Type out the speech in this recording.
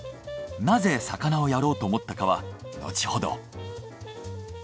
なぜ魚をやろうと思ったかは後ほど。